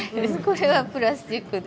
これはプラスチックでしょ。